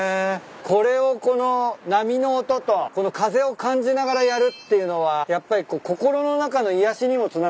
これをこの波の音とこの風を感じながらやるっていうのはやっぱり心の中の癒やしにもつながりそうっすね。